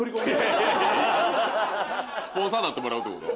スポンサーになってもらうってこと？